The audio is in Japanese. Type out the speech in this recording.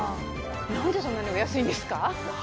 何でそんなにお安いんですか？